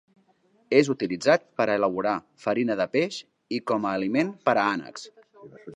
És utilitzat per a elaborar farina de peix i com a aliment per a ànecs.